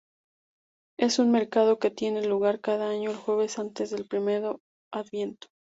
Es un mercado que tiene lugar cada año el jueves antes del primero adviento.